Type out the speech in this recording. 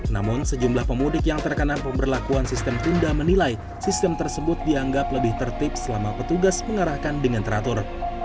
namun sejumlah pemudik yang terkena pemberlakuan sistem tunda menilai sistem tersebut dianggap lebih tertib selama petugas mengarahkan dengan teratur